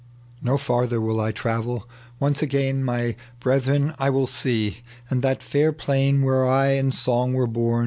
" No farther wDl I travel : once again My brethren I will see, and that fair plain Where I and song were bom.